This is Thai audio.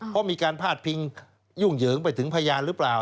เพราะมีการพาดพิงยุ่งเหยิงไปถึงพยานหรือเปล่า